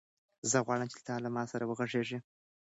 زه غواړم چې ته له ما سره وغږېږې.